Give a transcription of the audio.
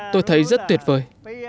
tôi thấy rất tuyệt vời